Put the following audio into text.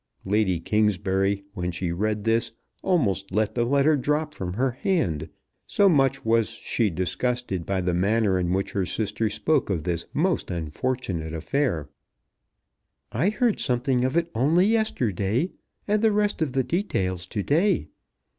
Lady Kingsbury, when she read this, almost let the letter drop from her hand, so much was she disgusted by the manner in which her sister spoke of this most unfortunate affair. I heard something of it only yesterday, and the rest of the details to day.